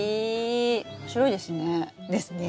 面白いですね。